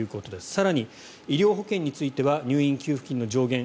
更に、医療保険については入院給付金の上限